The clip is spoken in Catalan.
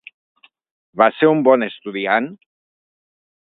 Va ser un bon estudiant?